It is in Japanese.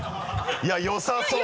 いやよさそう。